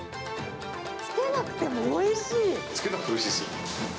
つけなくてもおいしいですよ。